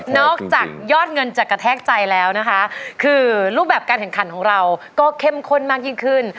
อกจากยอดเงินจะกระแทกใจแล้วนะคะคือรูปแบบการแข่งขันของเราก็เข้มข้นมากยิ่งขึ้น